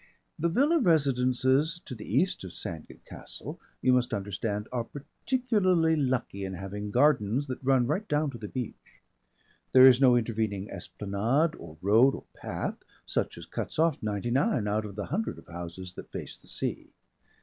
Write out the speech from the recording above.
The villa residences to the east of Sandgate Castle, you must understand, are particularly lucky in having gardens that run right down to the beach. There is no intervening esplanade or road or path such as cuts off ninety nine out of the hundred of houses that face the sea.